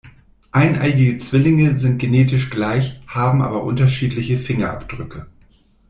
Eineiige Zwillinge sind genetisch gleich, haben aber unterschiedliche Fingerabdrücke.